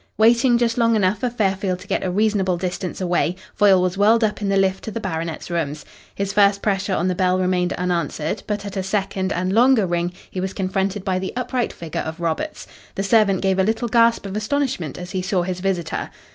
Waiting just long enough for Fairfield to get a reasonable distance away, Foyle was whirled up in the lift to the baronet's rooms. His first pressure on the bell remained unanswered, but at a second and longer ring he was confronted by the upright figure of Roberts. The servant gave a little gasp of astonishment as he saw his visitor.